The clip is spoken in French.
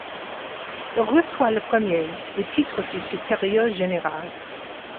Il reçoit le premier le titre de supérieur général.